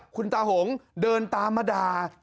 คุณตาหงเดินตามมาด่า